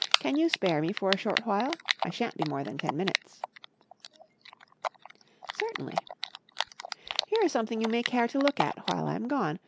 Can you spare me for a short while? I shan't be more than ten minutes." "Certainly." "Here is something you may care to look at while I'm gone.